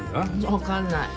分かんない。